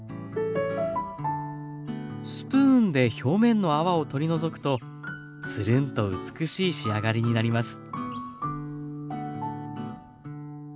スプーンで表面の泡を取り除くとつるんと美しい仕上がりになります。